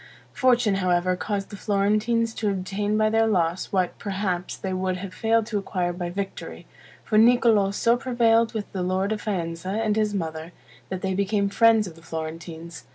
Fortune, however, caused the Florentines to obtain by their loss, what, perhaps, they would have failed to acquire by victory; for Niccolo so prevailed with the lord of Faenza and his mother, that they became friends of the Florentines.